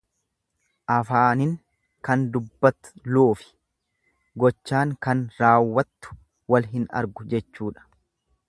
Afaanin kan dubbatluufi gochaan kan raawwattu wal hin argu jechuudha.